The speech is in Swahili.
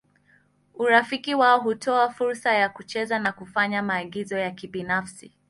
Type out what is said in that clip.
Urafiki wao hutoa fursa ya kucheza na kufanya maagizo ya kibinafsi.